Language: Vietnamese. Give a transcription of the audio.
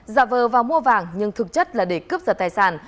giả vờ vào mua vàng nhưng thực chất là để cướp giật tài sản